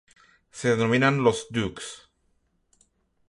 Se denominan los "Dukes".